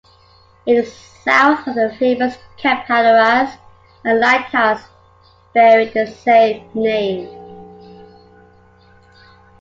It is south of the famous Cap Hatteras and lighthouse bearing the same name.